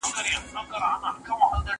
که وخت وي، کتابتون ته راځم!؟